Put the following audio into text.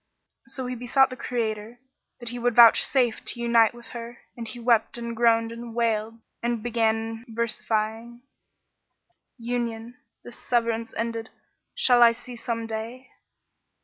So he besought the Creator that he would vouch safe to unite him with her and he wept and groaned and wailed and began versifying, "Union, this severance ended, shall I see some day?